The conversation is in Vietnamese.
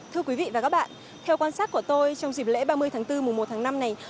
thưa quý vị và các bạn theo quan sát của tôi trong dịp lễ ba mươi tháng bốn mùa một tháng năm này